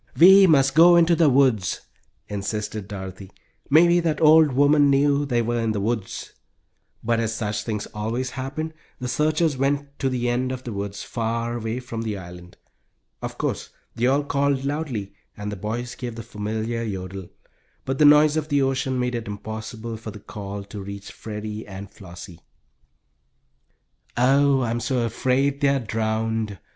"We must go to the woods," insisted Dorothy. "Maybe that old woman knew they were in the woods." But as such things always happen, the searchers went to the end of the woods, far away from the island. Of course they all called loudly, and the boys gave the familiar yodel, but the noise of the ocean made it impossible for the call to reach Freddie and Flossie. "Oh, I'm so afraid they are drowned!"